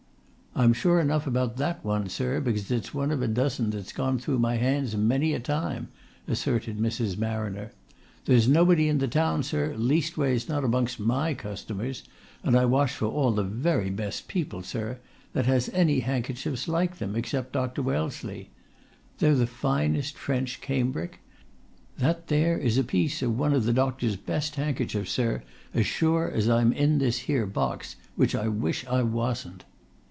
"I'm sure enough about that one, sir, because it's one of a dozen that's gone through my hands many a time!" asserted Mrs. Marriner. "There's nobody in the town, sir, leastways not amongst my customers and I wash for all the very best people, sir that has any handkerchiefs like them, except Dr. Wellesley. They're the very finest French cambric. That there is a piece of one of the doctor's best handkerchiefs, sir, as sure as I'm in this here box which I wish I wasn't!"